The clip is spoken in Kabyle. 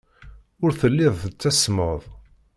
Ur telliḍ tettasmeḍ.